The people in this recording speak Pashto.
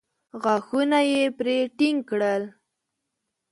غاښونه يې پرې ټينګ کړل.